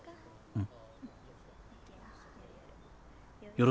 うん。